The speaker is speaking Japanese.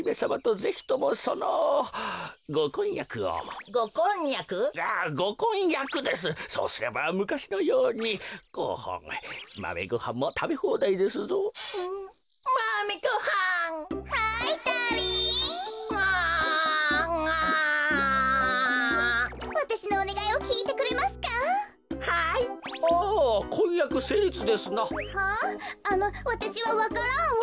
あのわたしはわか蘭を。